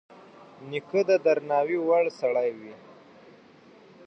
نیکه د درناوي وړ سړی وي.